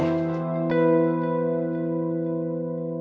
terima kasih ya